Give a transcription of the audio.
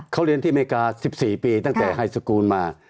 เขาเรียนที่อเมริกา๑๔ปีตั้งแต่ไฮสกูลมา